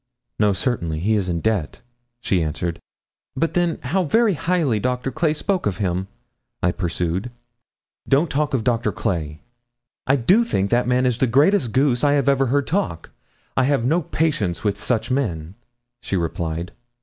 'No, certainly; he's in debt,' she answered. 'But then, how very highly Doctor Clay spoke of him!' I pursued. 'Don't talk of Doctor Clay. I do think that man is the greatest goose I ever heard talk. I have no patience with such men,' she replied.